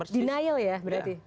denial ya berarti